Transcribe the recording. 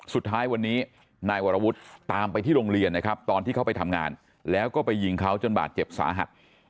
สุดท้ายวันนี้นายวรวุฒิตามไปที่โรงเรียนนะครับตอนที่เขาไปทำงานแล้วก็ไปยิงเขาจนบาดเจ็บสาหัส